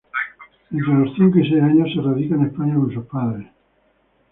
Entre los cinco y seis años se radica en España con sus padres.